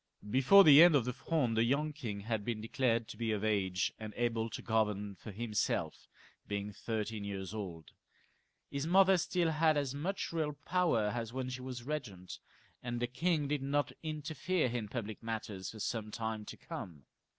Before the end of the Fronde the young king had been declared to be of age, and able to govern for himself^ being thirteen years old. His mother still had as much real power as when she was regent, and the king did not interfere in public matters for some time to come.